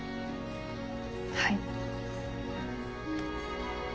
はい。